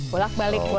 pulak balik buat kita